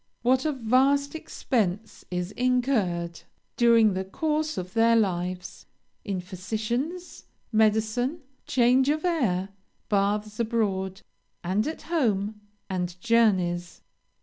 What a vast expense is incurred, during the course of their lives, in physicians, medicine, change of air, baths abroad and at home, and journeys!